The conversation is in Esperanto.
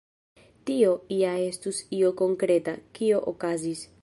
Tio ja estus io konkreta, kio okazis.